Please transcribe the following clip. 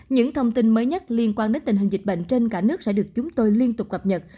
những thông tin mới nhất liên quan đến tình hình dịch bệnh trên cả nước sẽ được chúng tôi liên tục cập nhật